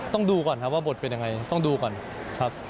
ต้องดูก่อนครับว่าบทเป็นยังไงต้องดูก่อนครับ